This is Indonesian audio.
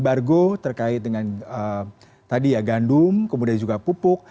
bargo terkait dengan tadi ya gandum kemudian juga pupuk